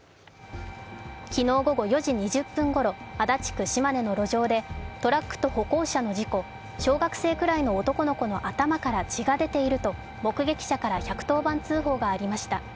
昨日、午後４時２０分ごろ足立区島根の路上でトラックと歩行者の事故、小学生くらいの男の子の頭から血が出ていると目撃者から１１０番通報がありました。